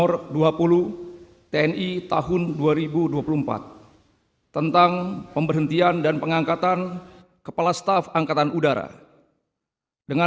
raya kebangsaan indonesia raya